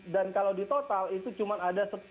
dan kalau di total itu cuma ada